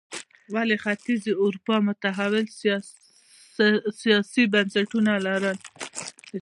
ولې ختیځې اروپا متحول سیاسي بنسټونه لرل.